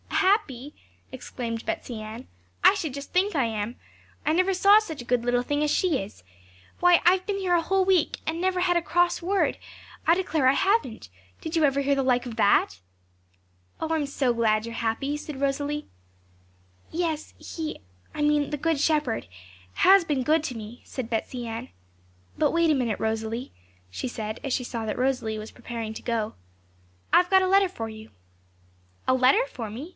'Happy?' exclaimed Betsey Ann; 'I should just think I am! I never saw such a good little thing as she is. Why, I've been here a whole week, and never had a cross word, I declare I haven't; did you ever hear the like of that?' 'Oh, I am so glad you are happy!' said Rosalie. 'Yes, He I mean the Good Shepherd has been good to me,' said Betsey Ann. 'But wait a minute, Rosalie,' she said, as she saw that Rosalie was preparing to go. 'I've got a letter for you.' 'A letter for me?'